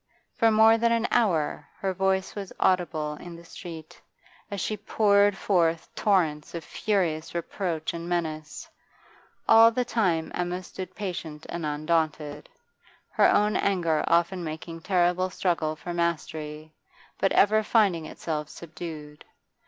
For more than an hour her voice was audible in the street, as she poured forth torrents of furious reproach and menace; all the time Emma stood patient and undaunted, her own anger often making terrible struggle for mastery, but ever finding itself subdued.